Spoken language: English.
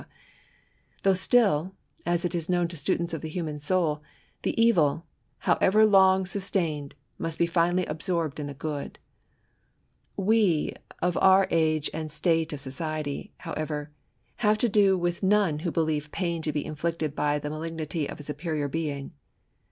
diough stiU Tas is known to students of the human soul, — ^the evil, however long supr taiined, must be finally absorbed in the good. We, of our age and state of society, however, have to do with none who believe pain to :be inflicted by the nialignity of a superior being.